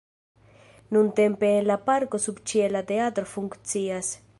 Nuntempe en la parko subĉiela teatro funkcias.